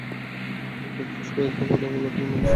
হঠাৎ মুখ ফসকে একটা কথা বলে ফেলার মানুষও সৈয়দ আশরাফ নন।